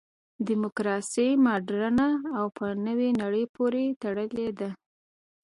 دیموکراسي مډرنه او په نوې نړۍ پورې تړلې ده.